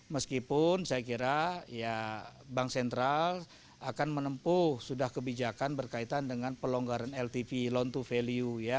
meskipun saya kira ya bank sentral akan menempuh sudah kebijakan berkaitan dengan pelonggaran ltv loan to value ya